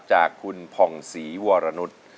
จากคุณผ่องศรีวรนุษย์